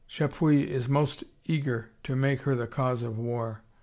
Chapuis is most eager to make her the cause of war.